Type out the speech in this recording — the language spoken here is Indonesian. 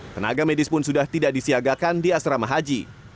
tenaga medis pun sudah tidak disiagakan di asrama haji